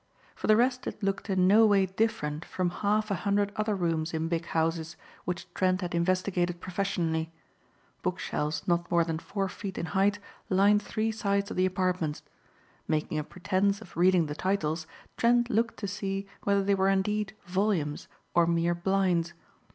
For the rest it looked in no way different from half a hundred other rooms in big houses which Trent had investigated professionally. Bookshelves not more than four feet in height lined three sides of the apartment. Making a pretense of reading the titles Trent looked to see whether they were indeed volumes or mere blinds.